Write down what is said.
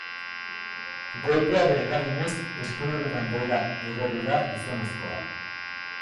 Golpearen eraginez, eskaileretan behera erori da gizonezkoa.